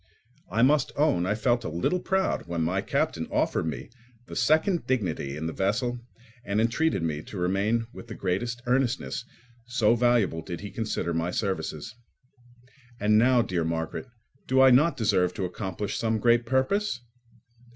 I must own I felt a little proud when my captain offered me the second dignity in the vessel and entreated me to remain with the greatest earnestness, so valuable did he consider my services. And now, dear Margaret, do I not deserve to accomplish some great purpose?